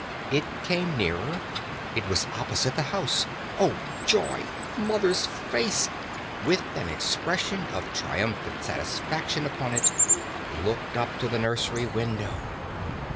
It came nearer it was opposite the house. Oh, joy! Mother's face, with an expression of triumphant satisfaction upon it, looked up to the nursery window.